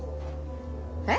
えっ？